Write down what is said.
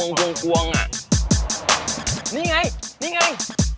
นี่ไงนี่ไง